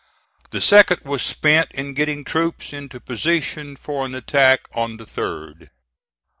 The 2d was spent in getting troops into position for an attack on the 3d.